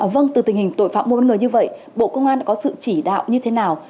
vâng từ tình hình tội phạm mua bán người như vậy bộ công an đã có sự chỉ đạo như thế nào